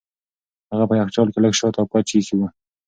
هغه په یخچال کې لږ شات او کوچ ایښي وو.